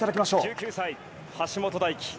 １９歳、橋本大輝